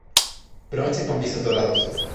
Bronce con visos dorados.